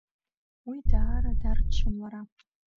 Уи даара дарччон лара.